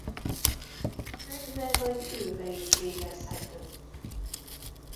Fekve vagy ülve is végezhető.